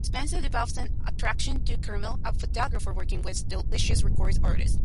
Spencer develops an attraction to Camille, a photographer working with Delicious Records artists.